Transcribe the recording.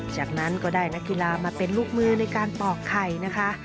จากนั้นก็ได้นักกีฬามาเป็นลูกมือในการปอกไข่นะคะ